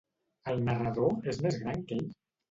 El narrador és més gran que ell?